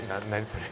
それ。